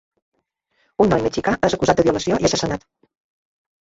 Un noi mexicà és acusat de violació i assassinat.